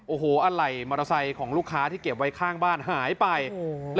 โอ้โหอะไหล่มอเตอร์ไซค์ของลูกค้าที่เก็บไว้ข้างบ้านหายไปโอ้โห